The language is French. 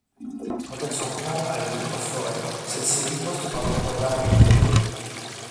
Quand elle s'en prend à une autre forêt, celle-ci riposte par l'emploi d'armes nucléaires.